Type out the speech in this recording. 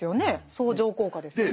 相乗効果ですよね。